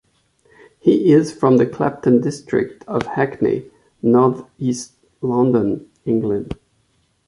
He is from the Clapton district of Hackney, northeast London, England.